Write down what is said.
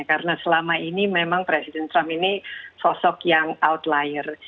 karena selama ini memang presiden trump ini sosok yang outlier